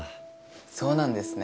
そうなんですね。